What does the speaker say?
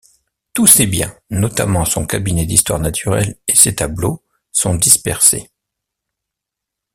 Tous ses biens, notamment son cabinet d’histoire naturelle et ses tableaux, sont dispersés.